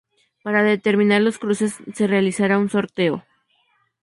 Para determinar los cruces, se realizará un sorteo.